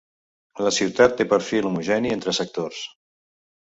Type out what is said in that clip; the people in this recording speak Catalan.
La ciutat té perfil homogeni entre sectors.